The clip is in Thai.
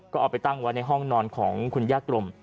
ก็เอาไปตั้งไว้ในห้องนอนของคุณย่ากรม